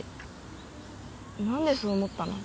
何でそう思ったの？